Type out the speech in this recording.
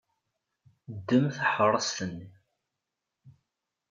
Ddem taḥeṛṛast-nni.